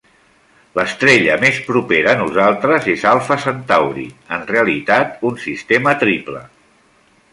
L'estrella més propera a nosaltres és Alfa Centauri, en realitat un sistema triple.